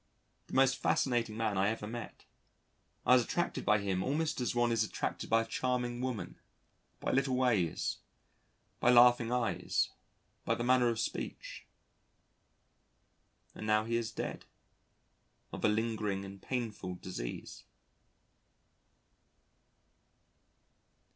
The most fascinating man I ever met. I was attracted by him almost as one is attracted by a charming woman: by little ways, by laughing eyes, by the manner of speech. And now he is dead, of a lingering and painful disease.